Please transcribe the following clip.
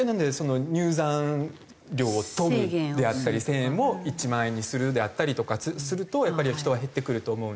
入山料を取るであったり１０００円を１万円にするであったりとかするとやっぱり人は減ってくると思うんで。